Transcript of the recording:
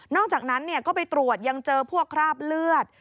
อกจากนั้นก็ไปตรวจยังเจอพวกคราบเลือด